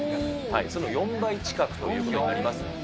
その４倍近くということになりま